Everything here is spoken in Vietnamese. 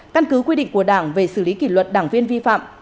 căn cứ quy định của đảng về xử lý kỷ luật đảng viên vi phạm